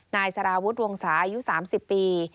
นายสารวุฒิวงศาอายุ๓๐ปี